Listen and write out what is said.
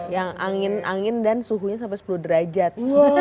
yang angin angin dan suhunya sampai sepuluh derajat